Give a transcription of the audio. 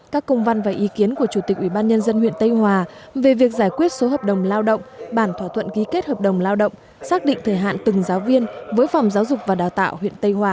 các công văn và ý kiến của chủ tịch ủy ban nhân dân huyện tây hòa về việc giải quyết số hợp đồng lao động bản thỏa thuận ký kết hợp đồng lao động xác định thời hạn từng giáo viên với phòng giáo dục và đào tạo huyện tây hòa